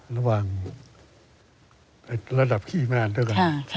ระหว่างระดับขี้งานด้วยกัน